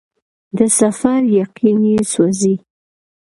د سفر یقین یې سوزي